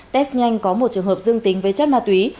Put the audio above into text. test nhanh có một trường hợp dương tính với chất ma túy